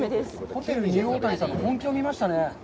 ホテルニューオータニさんの本気を見ましたね。